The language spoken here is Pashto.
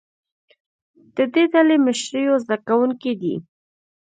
د دې ډلې مشر یو زده کوونکی دی.